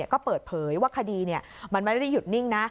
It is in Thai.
ก็เปิดเผยว่าคดีมันไม่ได้หยุดนิ่งนะ